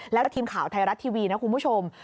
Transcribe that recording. แล้วทีมข่าวไทยรัฐทีวีนะคุณผู้ชม